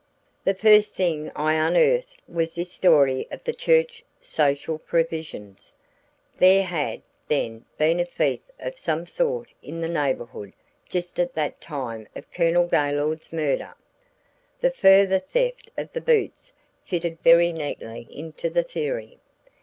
"The first thing I unearthed was this story of the church social provisions. There had, then, been a thief of some sort in the neighborhood just at the time of Colonel Gaylord's murder. The further theft of the boots fitted very neatly into the theory.